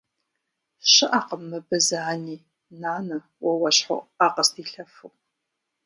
Щыӏэкъым мыбы зы ани, нанэ, уэ уэщхьу ӏэ къыздилъэфу.